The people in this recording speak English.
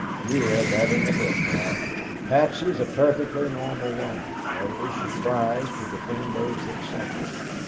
"You read that in a book, Ralph. Patsy is a perfectly normal woman that is, she cries to defend those that suffer.